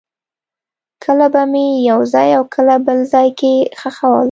کله به مې یو ځای او کله بل ځای کې خښول.